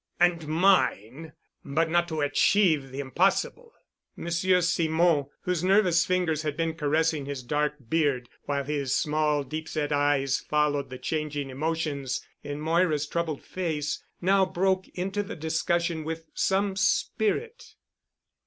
"And mine—but not to achieve the impossible——" Monsieur Simon, whose nervous fingers had been caressing his dark beard, while his small deep set eyes followed the changing emotions in Moira's troubled face, now broke into the discussion with some spirit.